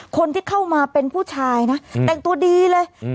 คนที่เข้ามาเป็นผู้ชายนะแต่งตัวดีเลย